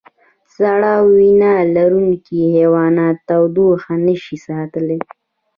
سړه وینه لرونکي حیوانات تودوخه نشي ساتلی